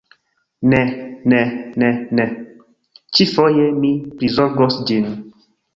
Ne, ne, ne, ne. Ĉi-foje mi prizorgos ĝin.